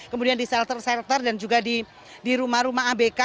kemudian di shelter shelter dan juga di rumah rumah abk